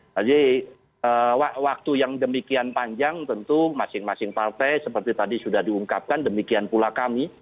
jadi waktu yang demikian panjang tentu masing masing partai seperti tadi sudah diungkapkan demikian pula kami